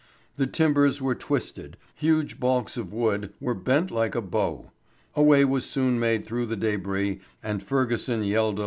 The timbers were twisted, huge baulks of wood were bent like a bow. A way was soon made through the débris, and Fergusson yelled aloud.